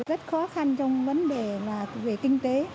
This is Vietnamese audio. rất khó khăn trong vấn đề về kinh tế